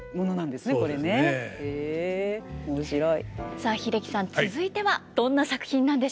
さあ英樹さん続いてはどんな作品なんでしょうか。